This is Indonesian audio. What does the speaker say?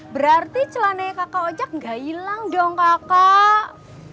berarti celananya kakak ojak gak hilang dong kakak